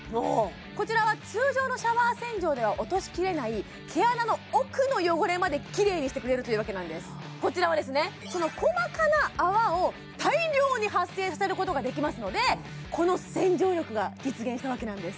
こちらは通常のシャワー洗浄では落としきれない毛穴の奥の汚れまでキレイにしてくれるというわけなんですこちらはですねその細かな泡を大量に発生させることができますのでこの洗浄力が実現したわけなんです